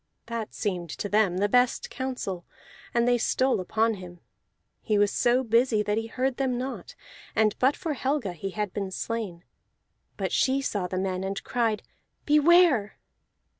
That seemed to them the best counsel, and they stole upon him. He was so busy that he heard them not; and but for Helga he had been slain. But she saw the men, and cried "Beware!"